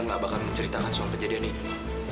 tak akan menceritakan soal kejadian itu